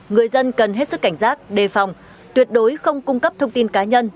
người dân cần hết sức cảnh giác đề phòng tuyệt đối không cung cấp thông tin cá nhân